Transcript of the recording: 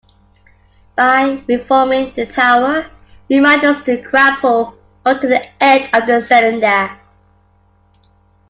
By reforming the tower, he manages to grapple onto the edge of the cylinder.